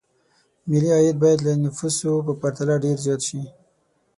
ملي عاید باید د نفوسو په پرتله ډېر زیات شي.